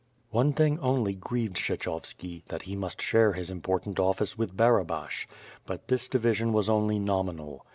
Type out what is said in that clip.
One thing only grieved Ksheehovski, that he must share his important oflice with Barabash, but this division was only nominal.